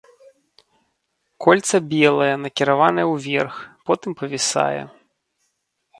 Кольца белае, накіравана ўверх, потым павісае.